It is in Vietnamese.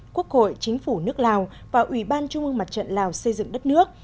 quốc hội chính phủ nước lào và ủy ban trung ương mặt trận lào xây dựng đất nước